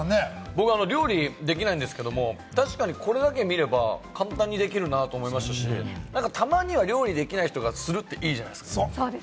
僕は料理できないんですけれども、確かに、これだけ見れば簡単にできるなと思いますし、たまには料理できない人がするというのもいいじゃないですか。